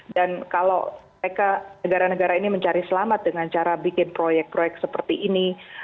dan kalau mereka negara negara ini mencari selamat dengan cara bikin proyek proyek seperti ini